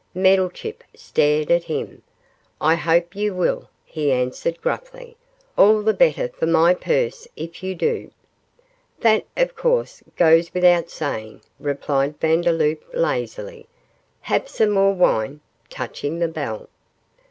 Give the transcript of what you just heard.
Meddlechip stared at him. 'I hope you will,' he answered, gruffly, 'all the better for my purse if you do.' 'That, of course, goes without saying,' replied Vandeloup, lazily. 'Have some more wine?' touching the bell.